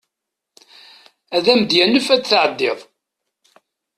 Ad am-yanef ad tɛeddiḍ.